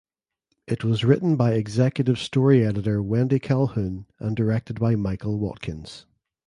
It was written by executive story editor Wendy Calhoun and directed by Michael Watkins.